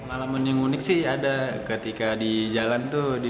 alaman yang unik sih ada ketika di jalan tuh